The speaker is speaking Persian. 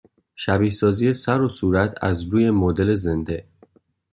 شبیه سازی سر و صورت از روی مدل زنده